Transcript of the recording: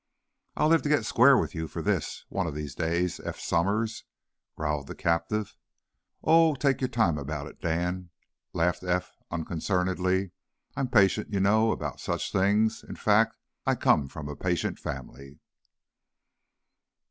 "I'll live to get square with ye for this, one o' these days, Eph Somers!" growled the captive. "Oh, take your time about it, Dan," laughed Eph, unconcernedly. "I'm patient, you know, about such things. In fact, I come of a patient family."